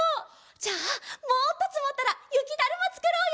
じゃあもっとつもったらゆきだるまつくろうよ！